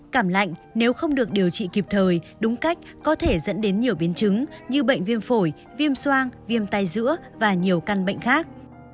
cảm lạnh nếu không được điều trị kịp thời đúng cách có thể dẫn đến nhiều biến chứng như bệnh viêm phổi viêm soang viêm tay giữa và nhiều căn bệnh khác